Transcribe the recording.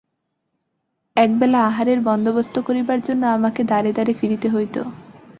একবেলা আহারের বন্দোবস্ত করিবার জন্য আমাকে দ্বারে দ্বারে ফিরিতে হইত।